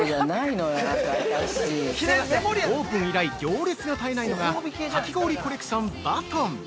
◆オープン以来行列が絶えないのがかき氷コレクション・バトン。